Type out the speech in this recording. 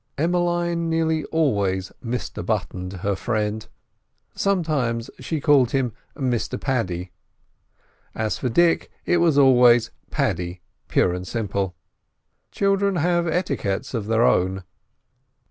Emmeline nearly always "Mr Buttoned" her friend; sometimes she called him "Mr Paddy." As for Dick, it was always "Paddy," pure and simple. Children have etiquettes of their own.